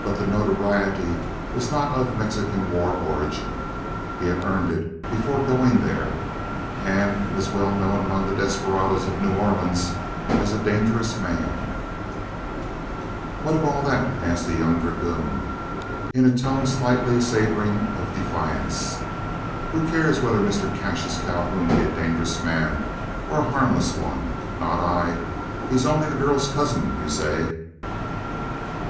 But that notoriety was not of Mexican war origin. He had earned it before going there; and was well known among the desperadoes of New Orleans as a dangerous man." "What of all that?" asked the young dragoon, in a tone slightly savouring of defiance. "Who cares whether Mr Cassius Calhoun be a dangerous man, or a harmless one? Not I. He's only the girl's cousin, you say?"